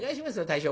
大将